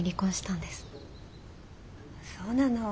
そうなの。